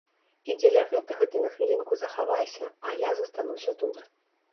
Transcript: І дзеля гэтага ты на хвілінку захавайся, а я застануся тут.